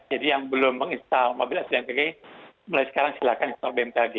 jadi yang belum menginstall mobil app di bmk mulai sekarang silakan install bmk